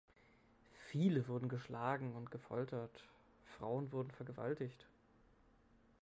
Viele wurden geschlagen und gefoltert, Frauen wurden vergewaltigt.